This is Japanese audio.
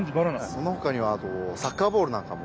そのほかにはあとサッカーボールなんかも。